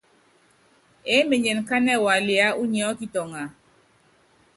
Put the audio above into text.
Eé menyen kánɛ waliá unyi ɛ ɔ́kitɔŋa?